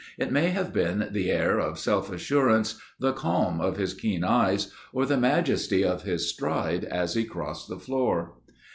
It may have been the air of self assurance, the calm of his keen eyes or the majesty of his stride as he crossed the floor.